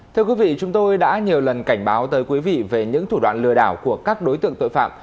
thưa quý vị chúng tôi đã nhiều lần cảnh báo tới quý vị về những thủ đoạn lừa đảo của các đối tượng tội phạm